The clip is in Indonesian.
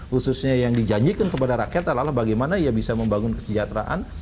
khususnya yang dijanjikan kepada rakyat adalah bagaimana ia bisa membangun kesejahteraan